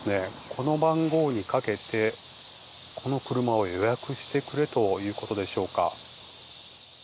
この番号にかけてこの車を予約してくれということでしょうか。